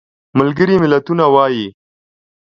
ملګري ملتونه وایي.